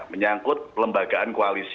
menyangkut lembagaan koalisi